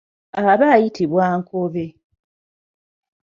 Aba ayitibwa Nkobe.